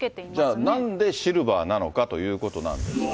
じゃあ、なんでシルバーなのかということなんですが。